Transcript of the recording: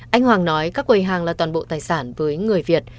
anh hoàng nói các quầy hàng là toàn bộ tài sản với người việt